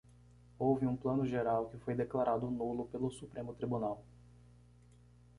Houve um Plano Geral que foi declarado nulo pelo Supremo Tribunal.